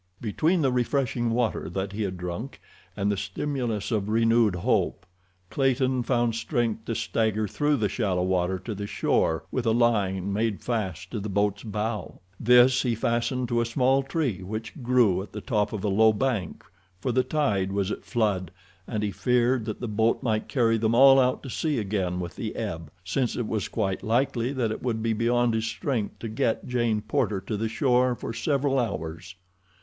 Between the refreshing water that he had drunk and the stimulus of renewed hope, Clayton found strength to stagger through the shallow water to the shore with a line made fast to the boat's bow. This he fastened to a small tree which grew at the top of a low bank, for the tide was at flood, and he feared that the boat might carry them all out to sea again with the ebb, since it was quite likely that it would be beyond his strength to get Jane Porter to the shore for several hours.